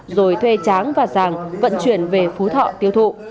rồi thuê tráng và giàng vận chuyển về phú thọ tiêu thụ